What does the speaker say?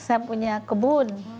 saya punya kebun